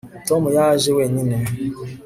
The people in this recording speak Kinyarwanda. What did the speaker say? Tom yaje wenyine